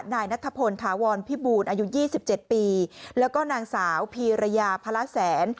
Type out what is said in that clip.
นายนัทพลถาวรพิบูรณ์อายุ๒๗ปีแล้วก็นางสาวพีรยาพระแสน